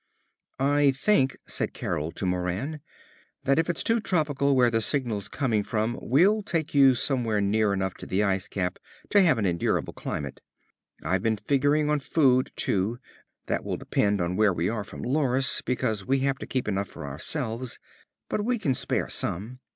"I think," said Carol, to Moran, "that if it's too tropical where this signal's coming from, we'll take you somewhere near enough to the ice cap to have an endurable climate. I've been figuring on food, too. That will depend on where we are from Loris because we have to keep enough for ourselves. But we can spare some.